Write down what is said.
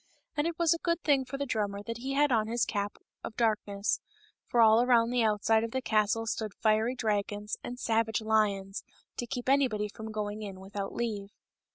And it was a good thing for the drummer that he had on his cap of darkness, for all around outside of the castle stood fiery dragons and savage lions to keep anybody from going in without leave.